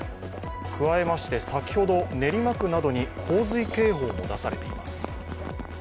加えまして先ほど、練馬区などに洪水警報も出されています。